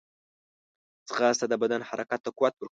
ځغاسته د بدن حرکت ته قوت ورکوي